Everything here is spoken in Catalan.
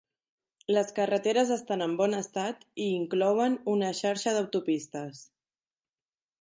Les carreteres estan en bon estat i inclouen una xarxa d'autopistes.